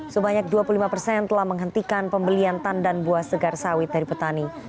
sebanyak dua puluh lima persen telah menghentikan pembelian tandan buah segar sawit dari petani